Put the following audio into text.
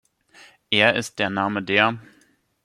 Er ist der Name der